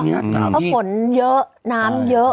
เพราะฝนเยอะน้ำเยอะ